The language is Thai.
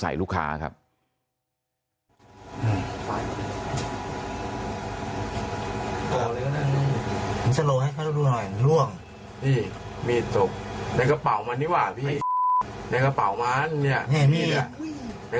ในกระเป๋าของแค่นคูด